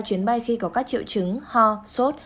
chuyến bay khi có các triệu chứng ho sốt